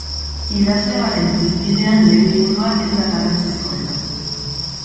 Idazle baten ibilbidean lehen liburua ez da garrantzizkoena.